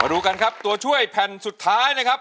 ดูกันครับตัวช่วยแผ่นสุดท้ายนะครับ